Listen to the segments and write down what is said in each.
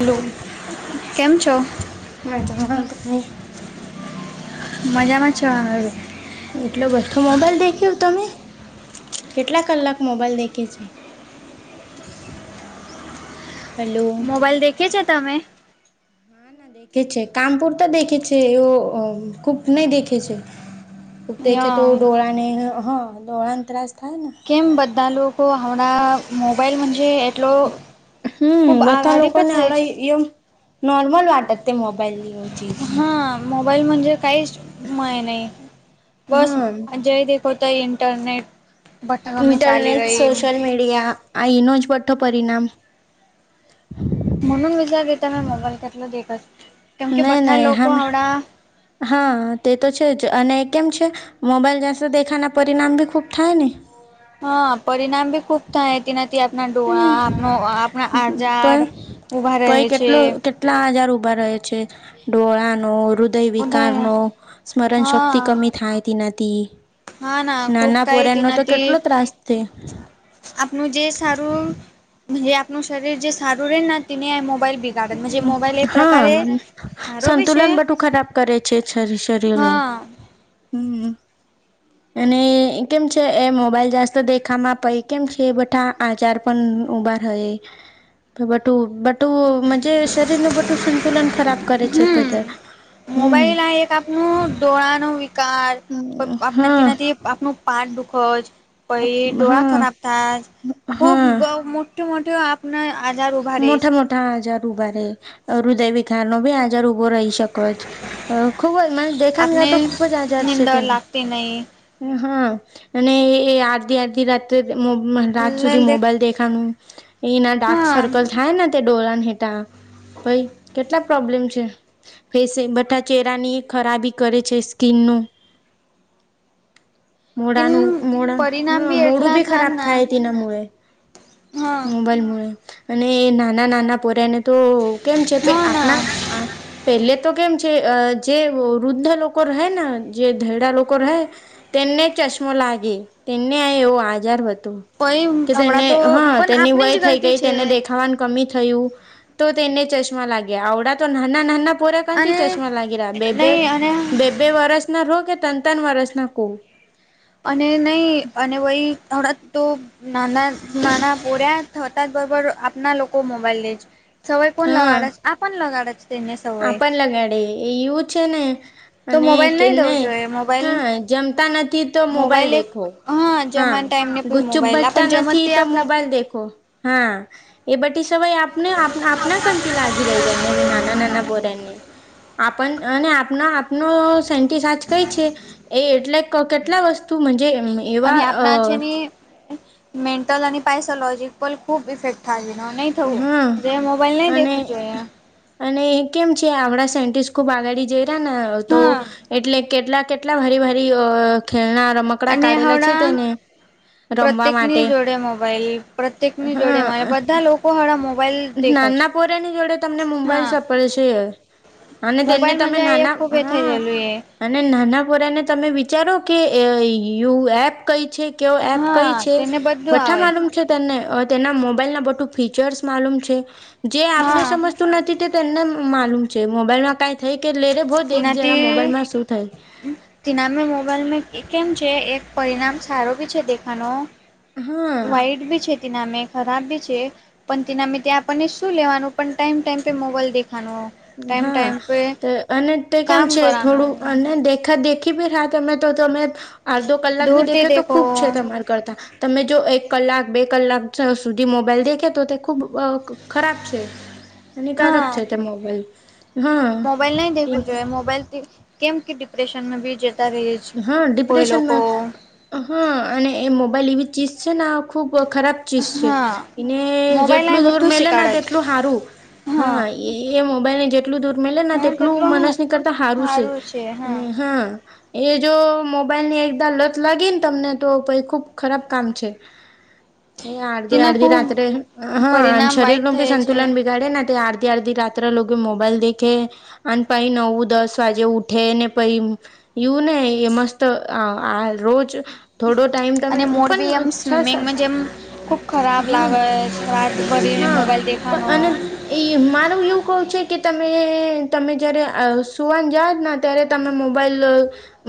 Hello. કેમ છો? આ હઅ તો કાંઈક મજામાં છો હવે. એટલો બધો મોબાઈલ દેખ્યો તમે કેટલા કલાક મોબાઈલ દેખે છે. હેલો હા મોબાઈલ દેખે છે તમે? ના ના દેખે છે કામપુરતો દેખે છે એઓ ખૂબ નહી દેખે છે. ખૂબ [inaudible] દેખે તો દોળા ને હ દોળા ને ત્રાસ થાય ને. એમ બધા લોકો હમણાં મોબાઈલ માં જે હમ્મ બધા લોકો પે ને થઈ હમણા છે. એયોમ નોર્મલ વાટત તે મોબાઈલ લીઓ. હા મોબાઈલમાં જે કાઈ જ [unintelligible] નહી બસ હા આજે દે પોતા ઇન્ટરનેટ ભટકમે ચાલી રહી ઈયા આ એનો જ બઠો પરિણામ મનું વિજારાગેતા મેં મોબાઈલ કેટલો દેખત કેમ કે નહીં બઠા નહીં લોકો હા મેં હમડા હા તે તો છે જ અને કેમ છે મોબાઈલ જાસે દેખાના પરિણામ બી ખૂબ થાય ને. હા પરિણામ બી ખુબ થાય તેનાથી આપણા ડોળા આપ આપણા આજાર પણ ઊભા રહે પઈ છે. કેટલો કેટલા આજાર ઉભા રહે છે ડોળા નો હૃદય વિકાર ઉધર નો સ્મરણ શક્તિ હા કમી થાય. હા ના [unintelligible] ખૂબ નાના કઈ પોરન નો તો તેનાથી કેટલો ત્રાસ તે. આપનું જે સારું આપનુ શરીર જે સારું રેને તેને આ મોબાઈલ બી હા સારો બી છે સંતુલન બધું ખરાબ કરે છે શ શરીર નું. [inaudible] હમ્મ. હ. અને કેમ છે એ મોબાઈલ જાસ્ત દેખામાં પે કેમ છે બધા આચાર ઉભા રહ બટું બટું જે શરીર નું બટું સંતુલન ખરાબ કરે છે હમ બધા હમ્મ. ડોળા નો વિકાર આપણા તેનાથી આપણું પાટ દુખો જ પછી ડોળા ખરાબ થ ખુબ હા ગ મોટ મોટ આપ આજાર ઉભા રહી છે ા હજાર રૂબારે રુદયવ ખાન ન બ જાર ઉભો રહી શકો ખુબ જ મને દેખાણ ગ તો ખુબ જ આજાર છે તેના તેનેહી હા અને એ આડધી આડધી રાત્ર રાત સુધી મોબાઈલ દેખાનું એના ડાર્ક હા સર્કલ થાય ને ડોરાને હેટા ભાઈ કેટલા પ્રોબ્લેમ છે ફેસે બટા ચેરાની એ ખરાબી કરે છે સ્કીનનો કિન મોડાનું મોડા પરિણામ હ મોડું એટલા બી થાન ખરાબ ના થાય તેના મે હા મોબાઈલ મુે અને એ નાના નાના પોર્યાને તો કેમ છે પ હા ના આપણા પહેલે તો કેમ છે જે વૃદ્ધ લોકો રહે ને જે ધૈડા લોકો તેમને ચશ્મો લાગે તેને આ એવો આજાર હતો પઈ કે હમણાં તેને તો હા પણ તેની આપની જ વય થઈ ગલતી ગઈ છે તેને દેખાવાનું મી થયું તો તેને ચશ્ લાગ્યા આવડા તો નાના નાનારાક થી અને ચશ્મા લાગી રહ્યા બેબે નહી અને બેબે વરસ ના રહો કે તન તન વરસ ના ક અને નહી અને વય થોડા તો નાના નાના પોર્યા થતા જ બરોબર આપના લોકો મોબાઈલ લે છે સવય પણ હા લગાડે છે આ પણ લગાડે છે તેને સવાય આપણ લગાડે એવું છે ને તો અને મોબાઈલ કે દવું નહી જોઈએ મોબાઈલ હા જમતા નથી તો મોબાઈલ એક દેખો હા જમવાના ટાઈમને ગુચ્ચુપ મોબાઈલ બચતા આપણ જમત નથી તે તો આપના મોબાઈલ દેખો હા એ બધી સવાય આપને આપના કથી લાગી રહી એમનેી નાના નાના બરાને આપ અને આપ આપનો સેન્ટિસ સાજ કઈ છે એ એટલે કેટલા વસ્તુજ અને એવા અ આપણા છે ને મેન્ટલ અને પાાયસોલોજિકલ ખૂબ ઇફેક્ટ થહી હા થવું એ મોબાઈલ નહી અને દેખવું જોઈ એ અને કેમ છે આપણા સાયન્ટિસ્ટ ખુબ આગાડી જઈ રહ્યા ને તો હા એટલે કેટલા કેટલા વારી વારી અ ખેરણા રમકડા કાઢેલા છે તેને રમવા પ્રત્યેક ની માટે જોડે મોબાઈલ પ્રત્યેક ની જોડેલ બધા લોકો હડા મોબાઈલ દેખે છે નાનાપોરાની જોડે તમને હા મુંબઈ સપડશે યાર અને તેને મોબાઈલ તમે મજા એ નાના ખુબ એ હ થઈ ગયેલું એ અને નાના કોરાને તમે વિચારો કે યુ એપ કઈ છે કેવ એપ હા કઈ છે તેને બધું વઠા આવે છે માલુમ ના મોબાઈલ ના બું ફીચર્સ માલુમ છે જે આપને હા સમ નથીને માલુમ છે મોબાઈલમાં ક થઈ કે લેરે ભોજ એક જરા મોબાઈલમાં શું થાય તિનામેી મોબાઈલમાં કેમ છે એક પરિણામ સારો બી છે દેખાનો હા વ્હાઈટ ભી છે તે નામે ખરાબ ભી છે પણ તેનામે ત્યાં આપણને શું લેવાનું પણ ટાઈમ ટાઈમ પે મોબાઈલ દેખવાનું હા અને તે કેમ કામ છે થોડું કરવાનું અને દેખા દેખા ી હા તમે તો તમે અડધો કલાક ભી દેખો તો ખુબ છે તમારા કરતા તમે જો એક કલાક બે કલાક સુધી મોબાઈલ દેખે તો તે ખૂબ ખરાબ છે હમ હાનિકારક છે તે મોબાઈલ હા મોબાઈલ નહી દખું જો હ મોબાઈઇલથી કેમ કે ડિપ્રેશન મે ભી જતા ર હા ડિપ્રેશનમાં હા અને એ મોબાઈલ એવી ચીજ છે ને ખુબ ખરાબ ી છે હા ને મોબાઈલ જેટલું ના દૂર બધું મેલે ના શીખાડે તેટલું સારું હા એ એ મોબાઈલ ની જે ટલું દૂર મે લ તેટલું મનસ ની કરતા હારું છે અને હા એ જો મોબાઈલ ની એકદા લત લાગી ને તમને તો પ ખુબ ખરાબ કામ છે હમ એ અડધી અડધી રાત્રે હા પરિણામ શરીર વાઈટ ન ભી થયે છે સંતુલન બિગાડે ને તે અડધી અડધી રાત્ર મા મોબાઈલ દેખે અને પ નવ દસ વાગે ઉઠે ને પ ું ને એ મસ્ત આ રોજ થોડો ટાઈમ તમે અને મોર બી એમ પણ છ સ્વિમિંગમાં જેમ ખુબ ખરાબ હા લાગે રાત ભરીને હા મોબાઈલ દેખનો અને એ મારું એવું કહવું છે કે તમે તમે જારે સુવાન જાઓ જ ના ્યારે તમે મોબાઈલ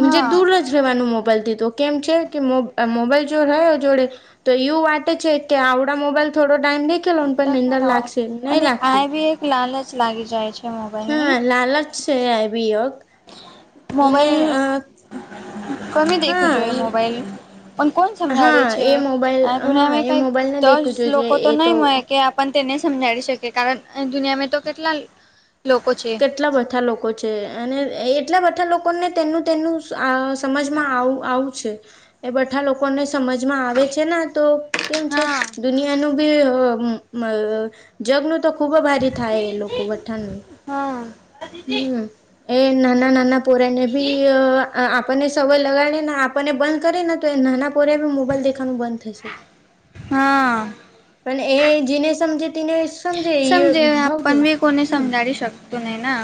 હા દ ેવાનું મોબાઈલ થી તો કેમ છે મોબાઈલ જો જોડે તો એવું વાટે છે કે આવડા મોબાઈલ થોડો ટાઈમ દેખેલોને પણ નીંદર લાગશે નહીં અને આ લાગતી બી લાલચ લાગી જાય છે હા મોબાઈલની લાલ જ છે આ બીયોગ એને કમે દેખુંજો એ મોબાઈલ પણ કોણ સમજાવે હા છે એ મોબાઈલ આ હા દુનિયામાં એ કઈ મોબાઈલ ને દસ દેખવું જોઈએ લોકો તો એ નહી મળે કે પણ તેને સમજાડી શકે કારણ દુનિયા તો કેટલા લોકો છે એટલા બધા લોકો છે અને એટલા બધા લોકોને તેનું તેનું સમજમાં આવું આવ એ બધા લોકોને સમજમાં આવે છે ને તો કેમ છે હા દુનિયાનું ી જગનું તો ખૂબ ભારી થાય એ લોકો વઠાણ હમ હમ એ નાના નાના પોર ને બી આપ આપણને સવાય લગાડે ને આપણને બંધ કરીે ને તો એ નાના પોરે મોબાઈલ દેખવાનું બંધ થશે હા પણ એ જેને સમજે તેને એ સમજે આપ ભાવતું બી કોને હમ સમજાવડી શકતું નહી ના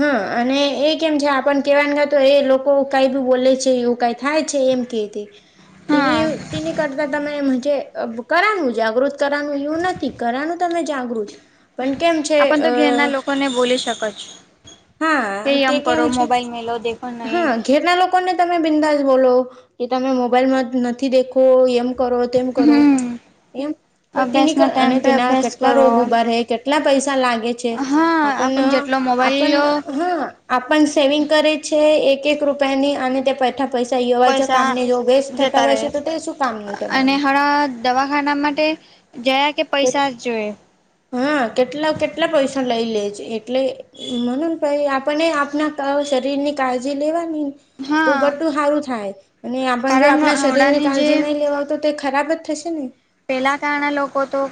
હા અને એ કેમ છે આપને કેવા ગ તો એ લોકો કઈ બી બોલે છે એવું કઈ થાય છે એમ હા કરતા કરવાનું જાગૃત કરવાનું એવું નથી કરવાનું તમે જાગૃત પણ કેમ છે અ તને બોલી શકો છો કે હા તે એમ કેમ કરો છે મોબાઈલ મેલો દેખો નહીં હા ઘેરના લોકો ને તમે બિંદાસ બોલો કે તમે મોબાઈલમાં નથી દેખો એમ કરો કરો હમ એમ તેની અભ્યાસના અને ટાઈમ પે તેના અભ્યાસ કેટલા કરો રોગ ઉભા રહે કેટલા પૈસા લાગે છે હા આપણ જેટલો મોબાઈલ આપન લો હા આપણ સેવિંગ કરે છે એક એક રૂપિયાની અને પા પૈસા વાજ પૈસા કામને જો વેસ્ટ થતા હોયશે તો તે શું કામનું તમારું પણ દવાખાના માટે જયા કે પૈસા જ જોઈએ હા કેટલા કેટલા પૈસા લઈ લેજ એટલે મ ભાઈ આપને આપના શરીર ની કાળજી લેવાનીને હા તો બટું સારું થાય અને આપ જો કારણ આપણા શરીરને હવડાની જે કાળજી નહી લેવા તો તે ખરાબ જ થશે ને પેલા કારના લોકો તો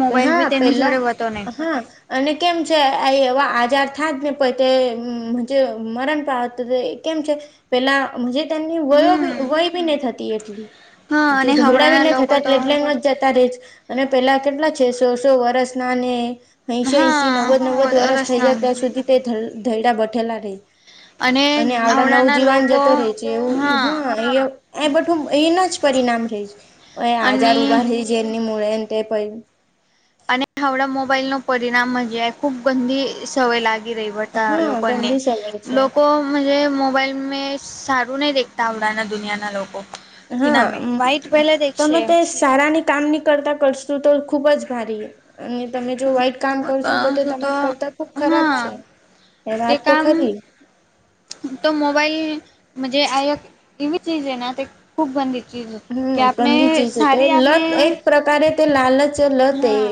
મોબાઈલ હા બી તેની પેલા જોડે હોતો નહી હા અને કેમ છે આ એવા આજાર થ જ ને પ તે જે મરણ પાાવતું એ કેમ છે પેલા તેની વયોી હમ વય બી ન થતી એટલી હા જે અને હવડાના ઝગડાવીને લોકો થતાટલે તો એટલે એ ચતાારીસ અને પેલા કેટલા છે સો સો વર્ષ નાને અહીંશ અશ હા નવદ નવવદ વરષ થઈ જાય રસના ત્યાં સુધી તે ધૈડા બેઠેલા રહેહી અને આવડા આવડાના નવજીીવાન લોકો જતો રહેે છે એવું હા એ બું એના જ પરિણામ રહી છે અને આજાર ઉઊભા ર જેની મળેને અને હડા મોબાઈલ ન પરિણામ હજ ખુબ ગંદી સમય લાગી રહી હો હા લોકોને ગંદી સવાય છે લોકો મુજે મોબાઈલ મેં સારું નહી દેખતા ઉડના દુનિયાના લોકો તેના હા મે વાઈટ પહેલે તમે દેખશે તો સારાની કામ ની કરતા કરશતું તો ખુબ જ ભારી એ અને તમે જો વઇટ કામ કર કહ છો તો તે છું તમારા કરતા ખુબ ખરાબ હા છે એ તે વાત તો કામ ખરી તો મોબાઈલજ આ એવી ચીજે ના ખૂબ બંધી ચી કે હમ આપને ગંદી ચીજ તો એ સારી આપણે લત એક પ્રકારે તે લાલચ લત એ હા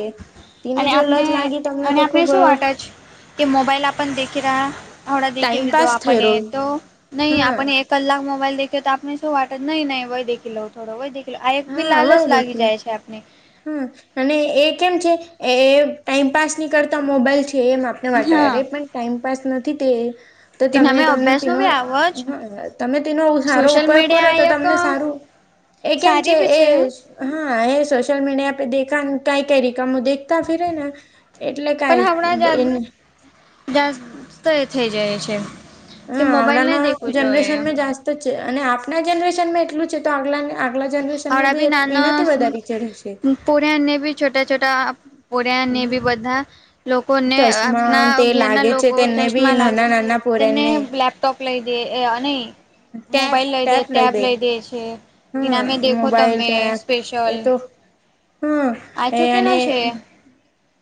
અને તેની જો લત આપને લાગી તમને અને તો આપને ખુબ શું વા જ કે મોબાઈલ આપ દ રાડા દેખ દીધો ટાઈમપાસ આપ થઈ રહ્યો તો નહી આપ હા કલાક મોબાઈઇલેખ્યો તો આપને શું વાટા નહી નહી વય દેી લોઉોડો વય દેખ આ એક બી હા લાલ હવે જ લાગી દેખ્યું જાય છે આપને હમ અને એ કેમ છે એ ટાઈમપાસ ની કરતા મોબાઈલ છે એમ આપ એ માટે હા અરે પણ ટાઈમપાસ નથી તે તો તમે તેનામે તમને અભ્યાસનો તેનો બી આવો જ તમે તેનો સારો સોશિયલ ઉપયોગ કરો મીડિયા તો એક તમને સારું એ કેમ સારી છે બી એ હા એ સોશિયલ મીડિયા પે દેખા કઈ કઈ રિકમો દેખતા ફિરે ને એટલે પણ કઈ હમણાં એને જા જાસ્ત થઈ જાય છે કે હા મોબાઈલ આવડાના નહી દેખવું જોઈએ જનરેશનમાં જાસ્ત જ છે અને આપના જનરેશન માં એટલું છે તો આગલા આગલા જનરેશનમાં હવડા બી નાના એનાથી વધારેચ હશે પોર્યાને બી છોટા છોટા પોર્યાને બી બધા લોકોને આપના ચશ્મા તે ઘેરના લાગે છે લોકો તેને બી ચસ્ટમાં લાગે નાના છે નાના તેમને પોરેને લેપટોપ લઈ દે અને મોબાઈલ લઈ દે ટેબ લઈ દે છે કે હા નામે દેખો મોબાઈલ તમે ટેપ સ્પેશિયલ એ તો હા એ આચું કે ન અને છે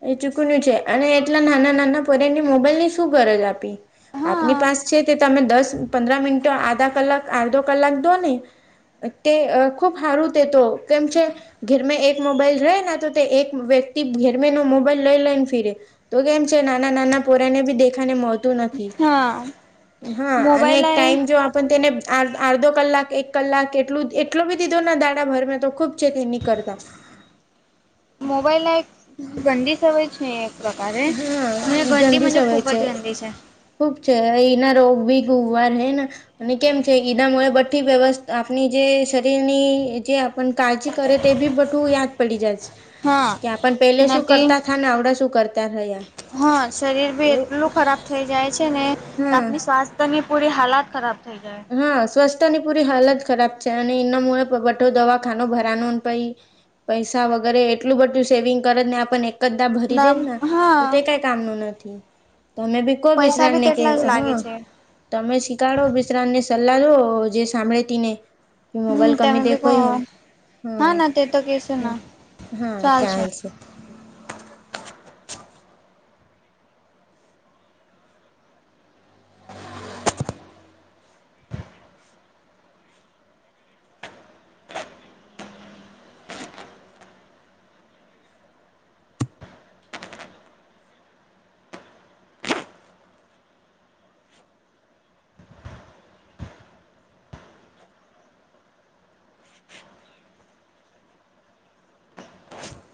એ ચૂકનું છે અને એટલા નાના નાના પોરેની મોબાઈલ ની શું ગરજ આપી આપની હા પાસ છે તે તમે દસ પંદર મિનટો આધા કલાક અર્ધો કલાક દો ને તે ખૂબ હારું દ તો તો કેમ છે ઘર એક મોબાઈલ રહે તો તે એક વ્યક્તિ મોબાઈલ લઈ લઈને ફિરે તો કેમ છે નાના નાના પોરાને બી દેખાને મો હા હા અને મોબાઈલ આ ટાઈમ જો આપ પણ તેને અડધો કલાક એક કલાક એટલું એટલો બી દીધો ના દાડા ભરમે તો ખૂબ છે તે નીકળતા મોબાઈલ એક ગંદી સવય નહીં પ્રકારે હા ગંદી ગંદીજ સવાય ખૂબ જ ગંદી છે ખુબ છે એના રોગ ભી ખ વાર હે ને અને કેમ છે ઈનાે બઠ્ઠી વ્યવસ્ આપણી જે શરીરની જે આપણ કાળજી કરે તે બી બધું યાદ પડી જાય છે હા કે આપણ પેલે શું તેનાથી કરતા હતાા ને આવડા શું કરતા રહ્યા હા શરીર ભી એવું એટલું ખરાબ થઈ જાય છે ને તો હા આપણી સ્વાસ્થ્યની પૂરી હાલત ખરાબ થઈ જાય હા સ્વસ્થ્ય ની પૂરી હાલત ખરાબ છે અને એના મળે બઠો દવાખાનો ભરાનોને પઈ પૈસા વગેરે એટલું બધું સેવિંગ કરત ને આપ કા ભરી દે જાય તો તે હા કઈ કામ ન નથી તમે બી કો પૈસા બિશ્રણ બી ન કે તેટલા જ લાગે હા છે તમે શીખાડો મિશ્રને સલાહ લો જે સાંભળેતી તેને કે મોબાઈલ હમ તમે કમી બી દેખો કહો હેમ હા ના તે તો કેશો ના હા ચાલશે ચાન્સ